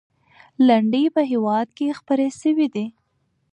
لنډۍ په هېواد کې خپرې سوي دي.